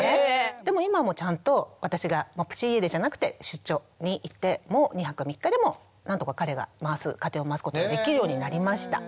でも今もうちゃんと私がプチ家出じゃなくて出張に行っても２泊３日でも何とか彼が家庭を回すことができるようになりました。